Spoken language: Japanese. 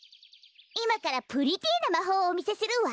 いまからプリティーなまほうをおみせするわ。